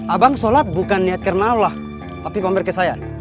abang sholat bukan niat karna allah tapi pamer ke saya